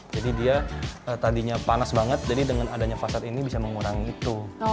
jadi dia tadinya panas banget jadi dengan adanya fasad ini bisa mengurangi itu